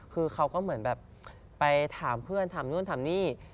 คือเขาก็เหมือนแบบไปถามเพื่อนถามนู่นถามนี่